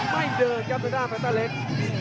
ไม่เดินครับสายเติบขวาแฟนต้าเล็ก